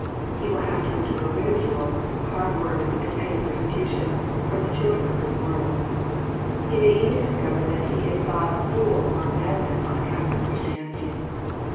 He will have to endure ridi cule, hard words, and petty persecution, from the children of this world. He may even discover that he is thought a fool or a madman on account of his Christianity.